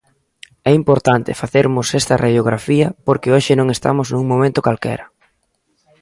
É importante facermos esta radiografía porque hoxe non estamos nun momento calquera.